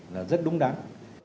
là rất đúng đáng